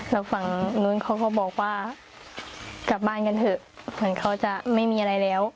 แล้วฝั่งนู้นเขาก็บอกว่ากลับบ้านกันเถอะเหมือนเขาจะไม่มีอะไรแล้ว